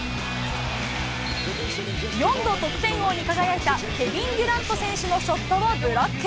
４度得点王に輝いた、ケビン・デュラント選手がショットをブロック。